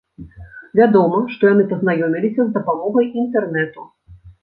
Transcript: Вядома, што яны пазнаёміліся з дапамогай інтэрнэту.